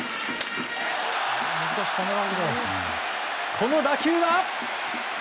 この打球は。